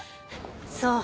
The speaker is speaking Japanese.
そう。